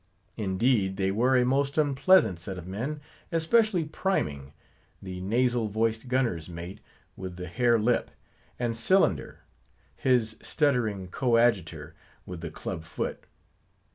Indeed they were a most unpleasant set of men; especially Priming, the nasal voiced gunner's mate, with the hare lip; and Cylinder, his stuttering coadjutor, with the clubbed foot.